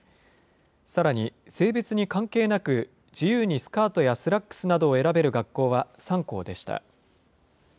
さらに性別に関係なく自由にスカートやスラックスなどを選べる学校は３校でした。